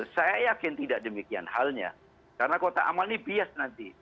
saya yakin tidak demikian halnya karena kota amal ini bias nanti